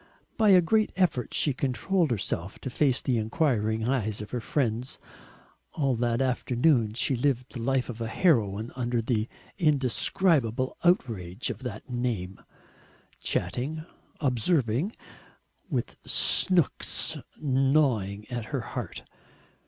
By a great effort she controlled herself to face the enquiring eyes of her friends. All that afternoon she lived the life of a heroine under the indescribable outrage of that name, chatting, observing, with "Snooks" gnawing at her heart.